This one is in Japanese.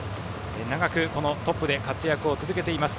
長くトップで活躍を続けています。